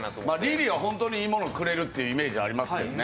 リリーは本当にいいものをくれるってイメージがありますけどね。